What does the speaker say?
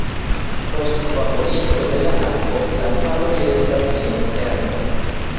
Post vaporiĝo de la akvo, la saloj restas en oceano.